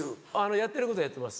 やってることはやってます。